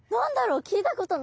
聞いたことないです。